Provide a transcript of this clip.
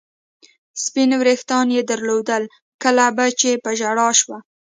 سپین وریښتان یې درلودل، کله به چې په ژړا شوه.